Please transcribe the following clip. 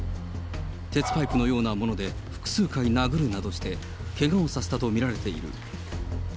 鉄パイプのようなもので複数回殴るなどして、けがをさせたと見られている。